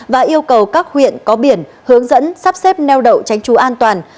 và yêu cầu các huyện có biển hướng dẫn sắp xếp neo đậu tránh trú an toàn